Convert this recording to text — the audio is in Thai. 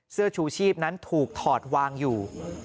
เสื้อชูชีพนั้นถูกถอดวางอยู่